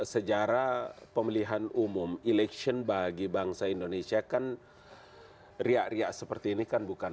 sejarah pemilihan umum election bagi bangsa indonesia kan riak riak seperti ini kan bukan